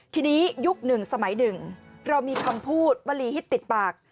ทีนี้ยุค๑สมัย๑เรามีคำพูดวลีฮิตติดปาก